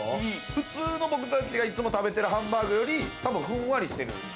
普通の僕たちがいつも食べてるハンバーグよりふんわりしてる。